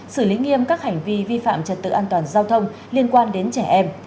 xử lý nghiêm các hành vi vi phạm trật tự an toàn giao thông liên quan đến trẻ em